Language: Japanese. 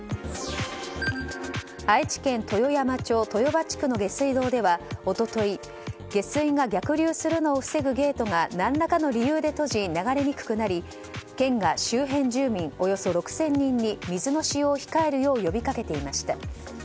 愛知県豊山町豊場地区の下水道では一昨日、下水が逆流するのを防ぐゲートが何らかの理由で閉じ流れにくくなり県が周辺住民およそ６０００人に水の使用を控えるよう呼びかけていました。